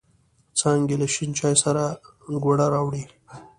څانگې له شین چای سره گوړه راوړې.